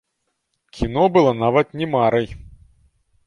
Кіно было нават не марай.